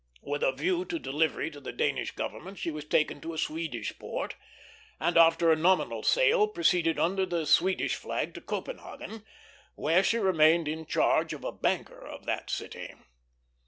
With a view to delivery to the Danish government she was taken to a Swedish port, and after a nominal sale proceeded under the Swedish flag to Copenhagen, where she remained in charge of a banker of that city.